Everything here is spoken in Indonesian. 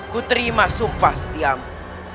ku terima sumpah setiamu